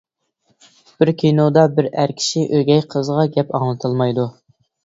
بىر كىنودا بىر ئەر كىشى ئۆگەي قىزىغا گەپ ئاڭلىتالمايدۇ.